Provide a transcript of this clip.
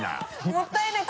もったいない！